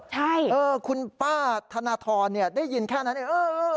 ใช่คุณป้าธนทรได้ยินแค่นั้นเออเออเออ